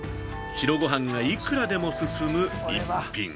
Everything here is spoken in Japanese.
白ごはんがいくらでも進む逸品。